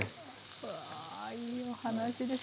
うわいいお話です。